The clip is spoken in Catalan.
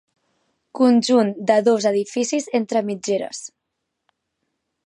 Conjunt de dos edificis entre mitgeres.